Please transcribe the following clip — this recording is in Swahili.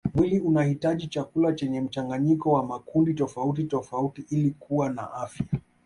Mwili unahitaji chakula chenye mchanganyiko wa makundi tofauti tofauti ili kuwa na afya